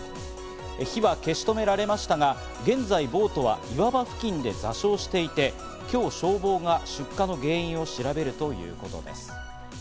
火は消し止められましたが、現在、ボートは岩場付近で座礁していて、今日、消防が出火の原因を調べるということです。